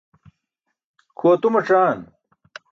Kʰu atumac̣aan.